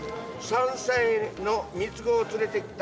３歳の３つ子を連れてきた。